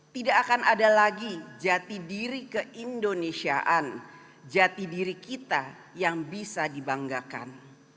tidak akan ada lagi jati diri keindonesiaan jati diri kita yang bisa dibanggakan